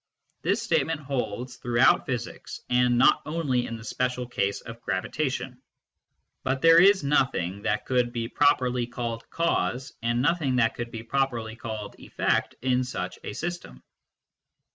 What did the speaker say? This state ment holds throughout physics, and not only in the special case of gravitation. But there is nothing that could be properly called " cause " and nothing that could be properly called " effect " in such a system.